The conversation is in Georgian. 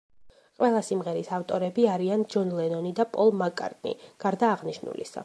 ყველა სიმღერის ავტორები არიან ჯონ ლენონი და პოლ მაკ-კარტნი, გარდა აღნიშნულისა.